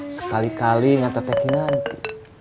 sekali kali nyantar teki nanti